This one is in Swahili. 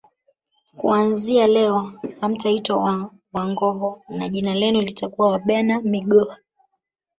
Kuanzia leo hamtaitwa Wanghoo na jina lenu litakuwa Wabena migoha